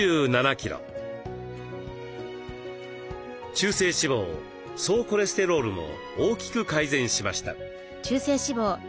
中性脂肪総コレステロールも大きく改善しました。